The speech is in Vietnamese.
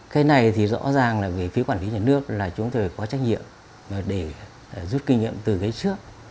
cái này thì rõ ràng là về phía quản lý nhà nước là chúng tôi có trách nhiệm để rút kinh nghiệm từ cái trước